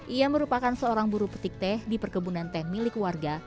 ia merupakan seorang buru petik teh di perkebunan teh milik warga